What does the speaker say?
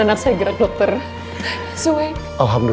dan azfteeus biar rabu